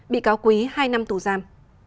bị cáo quý hai năm tù giam